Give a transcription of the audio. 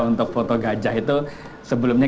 untuk foto gajah itu sebelumnya